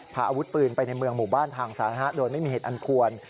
พาอาวุธปืนไปในเมืองหมู่บ้านทางสาธารณะโดยไม่มีเหตุอันควร